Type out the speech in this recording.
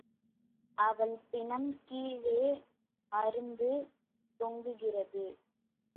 அவள் பிணம் கீழே அறுந்து தொங்குகிறது.